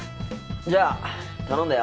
じゃあ頼んだよ。